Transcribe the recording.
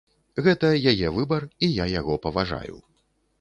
Гэта яе выбар і я яго паважаю.